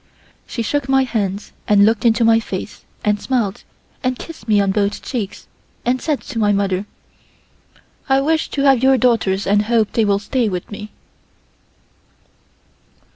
She took my hands and looked into my face and smiled and kissed me on both cheeks and said to my mother: "I wish to have your daughters and hope they will stay with me."